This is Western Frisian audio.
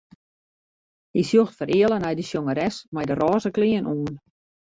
Hy sjocht fereale nei de sjongeres mei de rôze klean oan.